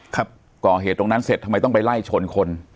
ก่อเหตุตรงนั้นเสร็จทำไมต้องไปไล่ชนคน